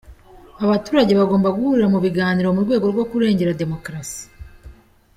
Abaturage bagomba guhurira mu biganiro mu rwego rwo kurengera demokarasi.